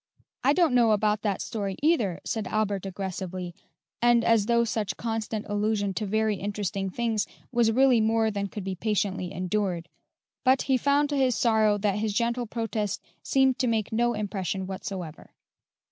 "I don't know about that story, either," said Albert aggressively, and as though such constant allusion to very interesting things was really more than could be patiently endured; but he found to his sorrow that his gentle protest seemed to make no impression whatsoever.